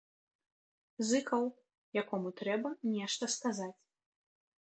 Зыкаў, якому трэба нешта сказаць.